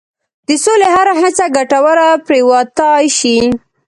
د سولې هره هڅه ګټوره پرېوتای شي.